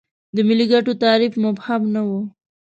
د ملي ګټو تعریف مبهم نه و.